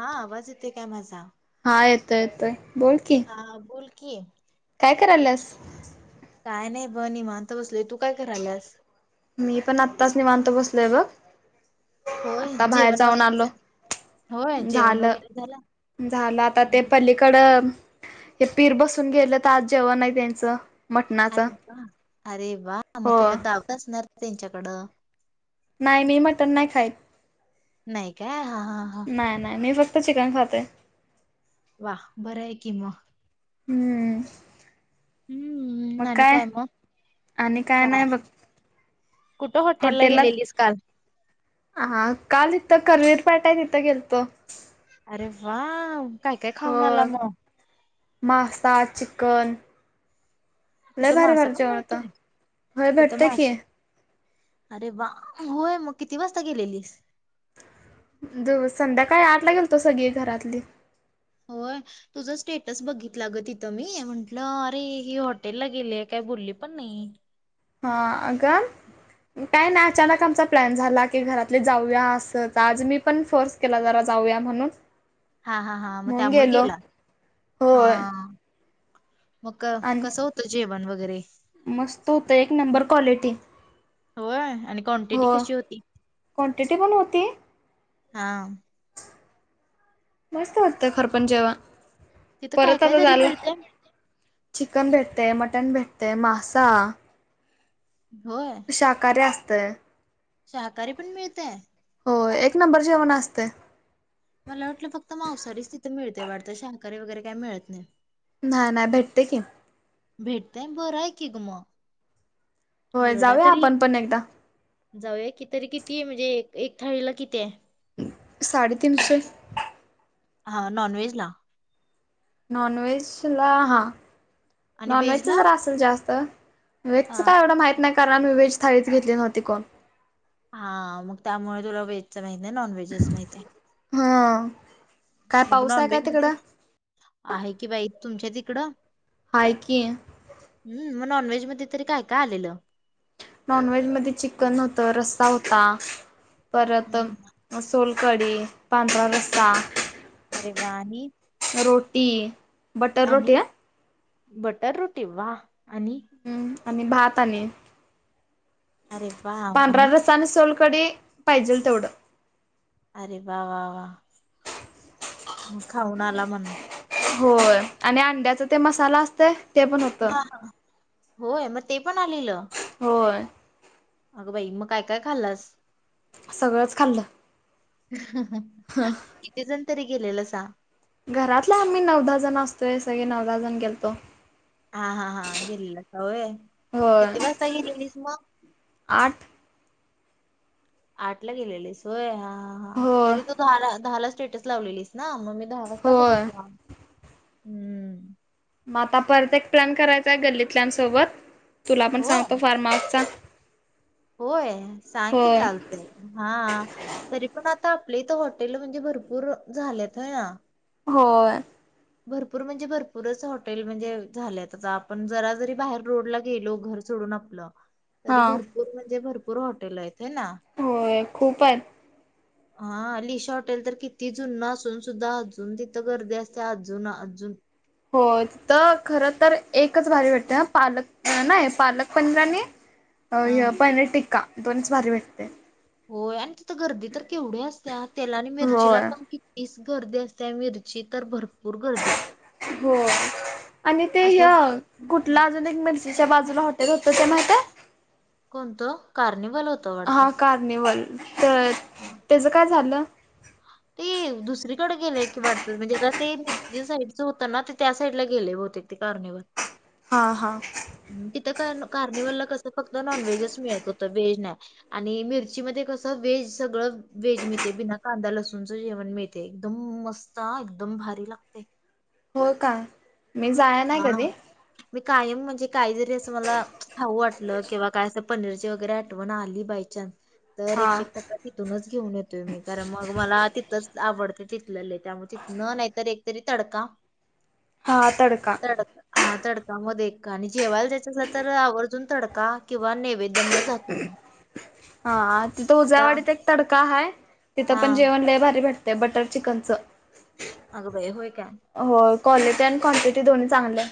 हा आवाज येते काय माझा येत येत हा बोल कि काय करायलस काय नाही ब निी माणत बसलोय तू काय करा आलास मी पण आत्ताच निवांतो बसलोय बघ होय आता बाहेर जेवण जाऊन आलो वगैरे होय जेवण झालं. वगैरे झाला झालं आता ते पलीकड हे पीर बसून गेलं तर आज जेवण आहे त्यांचं मटणाचं अरे वा अरे वा मग हो. तुला धावत असणार त्यांच्याकडं नाही मी मटण नाही खायत नाही काय हा हा हा नाही नाही मी फक्त चिकन खाते वा बरं आहे की मग हम्म मग हम्म आणि काय मग? आणि काय नाही बघ कुठं हॉटेलला हॉटेललाच गेलेलीस काल? हा काल तिथं करवीर पाट तिथं गेलतो अरे वा काय काय खाऊन आला होय मग मासा चिकन नाही तिथं बार मासा पण बारच्यावतो मिळतोय? होय तिथं भेटते की मासा अरे वा होय मग किती वाजता गेलेलीस ज संध्याकाळी आठ ला गेल तो सगळी घरातली होय तुझं स्टेटस बघ तथं मी म्हंटलं अरे हे हॉटेलला गेले काय बोलली पण म हा अग काय नाही अचानक आमचा प्लॅन झाला की घरातले जाऊया अस आज मी पण फोर्स केला जरा जाऊया म्हणून हा हा हा मग म्हणून त्यामुळे गेलो गेला हा होय मग आणि कसं होतं जेवण वगैरे मस्त होतं एक नंबर क्वालिटी होय आणि क्वांटिटी हो कशी होती क्नटिटी कोण होती हा मस्त वाटत खरपण जेव्हा तिथं काय परत काय आता तरी झालं मिळतंय चिकन भेटतेय मटण भेटते ते मासा शाकाहारी असतेय सहकारी पण मिळतेय हो एक नंबर जेवणा असते मला वाटलं फक्त मांसारीच तिथे मिळते वाटत शाकारी वगैरे काय मिळत नाही नाही नाही भेटते की भेटतेय बरं आहे की ग म होय जाऊया आपण पण एकदा. जाऊया की तरी किती म्हणजे एक एक थाळीला किती आहे. साडे तीनशे हा नॉन वेज ला नॉन व्हेज ला हा आणि व्हेज नॉनव्जच जरा ला असेल जास्त वेजच काय एवढं माहत नाही कारणम्ही वेज थाळीच घेतली नव्हती कोण? हा मग त्यामुळे तुला व्हेजच माहतीय नॉन व्हेजच माहती आहे. हां. मग नॉन व्हेज मध्ये आहे कि बाई तुमच्या तिकड हाय की मगॉ म तरी काय का आलेलं. नॉन व्हेज मध्ये चिकन होत रस्सा होता परत हम्म सोल कडी पांढरा रस्सा. अरे वाणी रोटी बटर रोटी ह. बटर रोटी वा आणि हम्म आणि भात आणि अरे वा पांढरा रसा आणि सोल. डे पाहिजेल तेवढं. अरे वा वा वा म खाऊन आला म्हण. होय आणि अंड्याचा ते मसाला असतय ते पण होत. हा हा. होय मग ते पण आलेलं. होय. अगं बाई मग काय काय खाल्लस. सगळंच खाल्लं. किती जण तरी गेलेलं सां घरातला आम्ही नवदा जण असतोय सगळे नदा जण गेलतो. हा हा हा गेलेलं सवय होय किती वाजता गेलेलीस मग आठ. आठ ला गेलेलीस होय ह होय तरी तू दहाला स्टेटस लावलेलीस ना मग द वाजता होय बघितला हम्म. मग आता परत एक प्लॅन करायचाय गल्लीतल्यासोबत तुला पण होय सांगतो फार्म हाऊसचा. होय सांग की होय चालतय हा तरी पण आ आता आपलीथ हॉटेल म्हणजे भरपूर झालेतय ना. होय. भरपूर म्हणजे भरपूरच हॉटेल म्हणजे झाले आ आपण जरा जरी बाहेर रोडला गेलो घर आप तरी हा भरपूर म्हणज भरपूर हॉटेल आहेत. होय ना होय खूपच हा लिशा हटेल तर कितीि जून नसून सुद्धा अजून तिथं गर्दी असते. ते अजून अजून हो तर खर तर एकच भारी भेटते ह पालक नाही पालक पनीरा आणि हा अ पनीर टिक्का दोनच भारी भेटते. होय आणि तिथं गर्दी तर केवढ्या असत्या तेला आणि मिरचीला होय पण किती? गर्दी असते मिरची तर भरपूर गर्दी हो आणि ते असं ह हम्म. कुठला अजून एक म्ह. तच्या बाजूला हॉटेल होत ते माहत. कोणतं कार्निवल होत वाडत. कार्निवल तर त्याचं काय झालं. ते दुसरीकडे गेले की वाटत म्हणजे आ ते मिर साईडच होत ना ते त्या साईड ला गेले. बते ते कारणेवर हा हा कार्निवलला कस फक्त नॉन व्हेजच मिळत होत व्हेज नाही आणि मिरची म कसं व्हेज सगळं वेजमी ते बिना कांदा लसूणच जेवण मिळते एकदम मस्त एकदम भारी लागते हो का हा मी कायम म्हणजे काहीतरी असं मला हव वाटत किंवा काय असं पनीरची वगैरे आठवण आली बाय न्स तर हां एकशे टक्का तिथूनच घेऊन येतोय मी कारण मग मला तिथंच आवडते चथलेले त्यामुळे तथ न नाहीत एकतरी तडका हातडका तड हां, तडकामध्ये आणि जेवायला जायचं असल तर आवर्जून तडका किंवा नेव हा तिथं आता उज्यावाडीत एक तडका हाय तिथं पण हां, जेवण लय भारी भेटते बटर चिकनचं अग बय होय का हो क्वालिटी आणि क्वांटिटी दोनही चांगले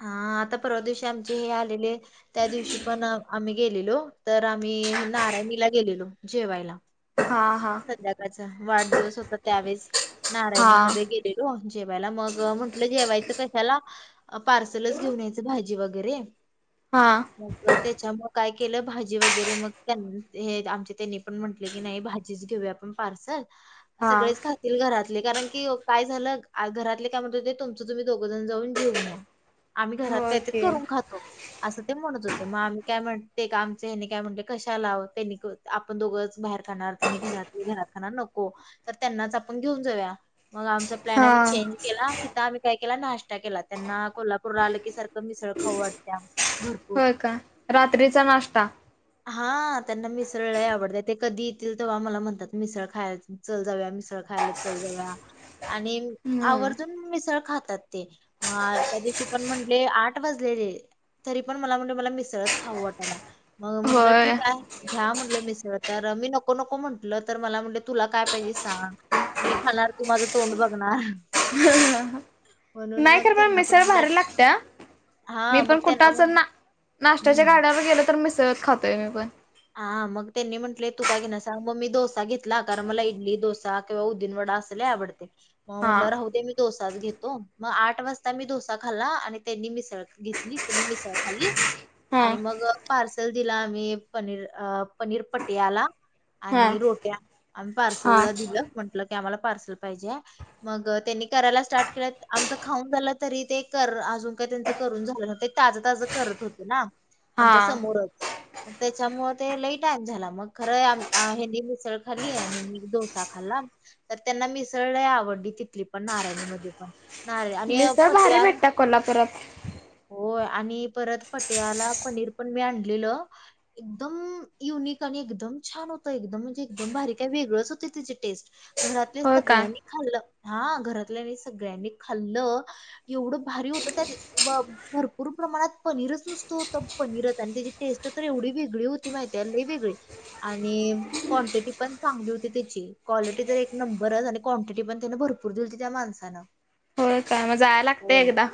हां, आता परवा दिवशी आमचे हे आलेले त्या दिवशी पण आम्ही गेलेलो तर आम्ही हे नाराय ला गेलेलो जेवायला हां हां सध्याकाळचा वाढदिवस होता त्यावेळेस हां नारायणीमध्ये गेलेलो जेवायला मग म्हंटलं जेवायचं कशाला पार्सलच घेऊन यायचं भाजी वगैरे हां मग त्याच्याम काय केलं भाजी वगैरे मग आमच्या त्यांनी पण म्हटलं की नाही भाज [inaudible] कि हां काय झालं घरातले काय म्हणत होते तुमचं तुम्ही दोघजण जाऊन घेऊन या आम्ही घरात होय काहीतरी की करून खातो असं ते म्हणत होत मग आम्ही काय म्हण आमचे काय म्हण कशालाव त्यांनी आपण दोघंच बाहेर खाणार त्यांनी घरात घरात खाना नको तर त्यांनाच आपण घेऊन जाऊया मग आमचा प्लॅन आ्ही हां चें केला तिथ आम् काय केला नाश्ता केला त्यांना कोल्हापूरला आलं की सारखं मिसळ खाऊ वाटत्या भरपूर. होय का रात्रीचा नाश्ता हा त्यांना मिसळला आवडतं ते कधी तील तेव्हा मला म्हणतात मिसळ खायला चल जाव्या मिसळ खायला चचाल जाव्या आणि हम्म आवर्जून मिसळ खातात ते म त्या दिवशी पण म्हंले आठ वाजले े तरी पण मला म्हण मला मिसळच खाऊ वाटाला मग म्हटलं होय ठीक आहे घ्या म्हटलं मिसळ तर मी नको ो नको म्हंटलं तर मला म्हणज तुला काय पाहिजे सांग मी खाणार तू माझं तोंड बघणार म्हणून मग त्यांना पण मेसर म्हटलं वर लागत मी हा पण मग त्यांना कुठं जर म्हण ना नाशत्याच्या हम्म. गाड्यावर गेल तर मिसळत खातोय मी पण हा मग त्यांनी म्हंटले तू का की न सां मग मी डोसा घेतला कारण मला इडली दोसा किंवा उददीन वाट रा हा घेतो मग आठ वाजता मी डोसा खाल्ला आणि त्यांनी मिसळ घेतली त्यांनी मिसळ खाली हा आणि मग पार्सल दिला आम्ही पनीर अ पनीर पटयाला हा आणि रोट्या आम्ही हा पार्सलला दिलं म्हंटलं आम्हाला पार्सल पाहिजे मग त्यांनी करायला स्टार्ट केलेत आमचं खाऊन झालं तरी ते करा अजून काही त्यांच करून झालं नव्हते ताजं ताज करत होत ना हा आमच्या समोरच त्याच्यामुळे ते लई टाईम झाला मग खरं यांनी मिसळ खाली आणि मी डोसा खाल्ला तर त्यांना मिसळलंय आवडली तिथली पण नारायणीमध्ये पण [unintelligible] मिसळ भारी भेटता कोल्हापुरात हो आणि परत पटियाला पनीर पण मी आणलेल एकदम युनिक आणि एकदम छान होतं एकदम म्हणजे एकदम बारी काय वेगळंच होत त्याची टेस्ट घरातल्या होय का सगळ्यांनी खाल्लं हा घरातल्यानी सगळ्यांनी खाल्लं एवढं भारी त्या भरपूर प्रमाणात पनीरच नुसत होत पनीर आणि त्याची टेस्ट तर एवढी वेगळी वेगळी होती लय वेगळी आणि कोणती पण चांगली होती आणि कॉलेटी पण नंबरच आणि क्वांटिटी पण त्याने भरपूर दिलीती त्या माणसाने होय काय मग जायला लागतंय एकदा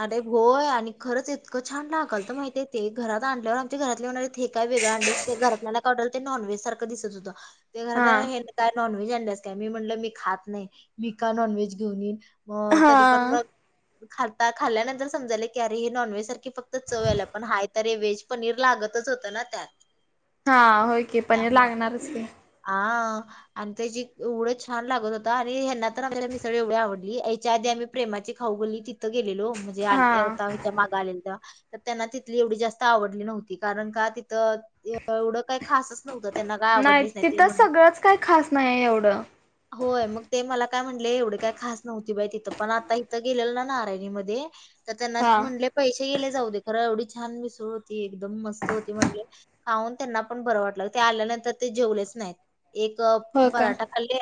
अरे होय आणि खरंच इतकं छान लागलेत माहिती ते ते घरात आणल्यावर आमच्या घरातले म्हलेत हे काय वेगळं घरातल्याला कायल ते नॉनव्हेज सारखं दिसत होतं ते हा घरातय नॉनव्हेज आणल्यास काय मी म्हटलं मी खात नाही मी का नॉनव्हेज घेऊनईन हो तरी पण हा मग खात खाल्ल्यानंतर समजाय की अरे हे नॉन व्हेज सारखी फक्त चव आला पण हा तरी व्हेज पनीर लागतच होत [unintelligible] हा हो की पनीर हे लागणार च की हा आणि त्याची एवढंच छान लागत होता आणि हना तर आपल्याला मिसळी एवढी आवडली यांच्या आधी मी प्रेमाची खाऊ गल्ली तिथं गेलेलो म्हणजे आ हा आता हच्या मागे आलेल तेव्हा तर त्यांना तिथली एवढी जास्त आवडली नव्हती कारण का तिथं एवढं काय खास नव्हते त्यांना काय आवडलीच नाही ते तर म्हण सगळंच काही खास नाही एवढं होय मग ते मला काय म्हटलेय एवढे काय खास नव्हती बाई तिथं पण आता इथं गेलेलं ना नारयणी मधे तर त्यांना हा म्हटले पैसे गेले जाऊ दे खरं एवढीच छान मिसळ होती एकदम मस्त होती म्हणले खाऊन त्यांना पण बरं वाट ते आल्यानंतर ते जेवले नाही एक होय का पराठा खाल्ले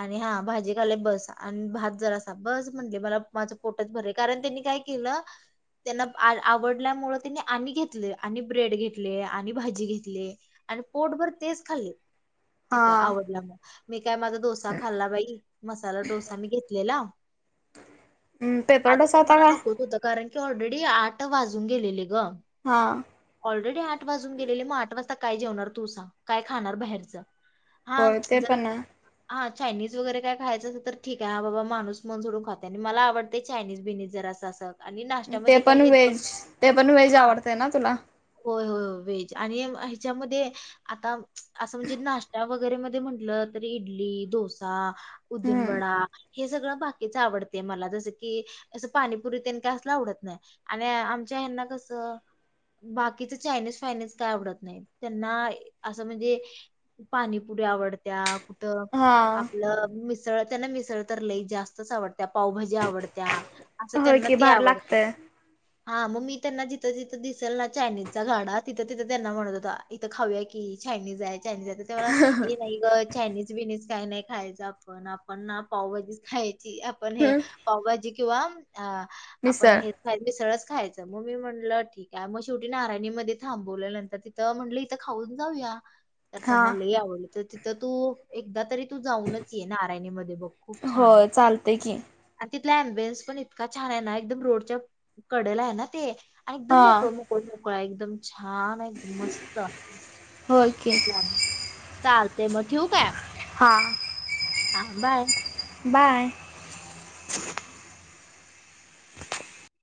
आणि हा भाजी खालाय बस आणि भात जर असा बस म्हटले मला माझं पोटच भरले कारण त्यांनी काय केले त्यांना आवडल्यामुळे त्यांनी आणि घेतले आणि ब्रेड घेतले आणि भाजी घेतले आणि पोटभर तेच खाल्ले तिथं हा आवडलं मुळे काय माझा डोसा खाल्ला बाई मसाला डोसा मी घेतलेला पेपर आधी डोसा तर होता मला काय नकोत होतं कारण ऑलरेडी आठ वाजून गेलेले ग हा ऑलरेडी आठ वाजून गेले मग आठ वाजता काय जेवणार तु काय खाणार बाहेरच हा होय ते पण आहे जा चायनीज वैगैरे खायचं असं तर ठीक आहा बाबा माणूस मन सोडून खाते आणि मला आवडते चानीज बिनीज जर असं असं आणि ते नाश्त्यामध्ये काय पण हे दोन व्हेज ते पण व्हेज हा आवडतय ना तुला होय, होय, होय. व्हेज आणि त्यांच्यामध्ये आता असं म्हणजे नाश वगैरे मध्ये म्हटलं तरी इडली डोसा उडीद हम्म वडा हे सगळं बाकीच आवडते मला जसं की असं पाणीपुरी ते का असले आवडत नाही आणि आम त्यांना कसं बाकीच चायनीज फायनीज काय आवडत नाही त्यांना असं म्हणजे पाणीपुरी आवडत्या कुठं हा आपलं मिसळ त्यांना मिसळ तर लई जास्तच आवडते त्या पावभाजी आवडत्या असं होय त्यांना की ते भार आवडते लागतय. हा मग मी त्यांना जिथं जिथं दिसेल ना चायनीजचा गाडा तिथं तिथं त्यांना म्हणत होता इथं खाऊया की चायनीज आहे चा ते मला हे नाही ग चायनीज बिनीस काही नाही खायचं आपण आपण ना पावभाजीच खायची ती आपण हे हम्म पावभाजी किंवा आपण मिसळ हे स- खायचं मग मी म्हटलं ठीक आहे मग शेवटी नारायणी मध्ये थांबवलं नंतर तिथं म्हटलं इिथं खाऊन जाऊया- तर हा त्यांना लय आवडली तर तिथं तू एकदा तरी- तू जाऊनच ये नारयणी मध्ये बघ खूप छान आहे. होय चालतय की तिथला ॲम्बिअन्स पण इतका छान आहे ना एकदम रोडच्या कडेला आहे ना ते - एकदम हा मोकळ मोकळ मोकळा एकदम- छान आहे एकदम मस्त होय की - चालते मग ठेवू काय - हां. हा बाय. बाय. [inaudible]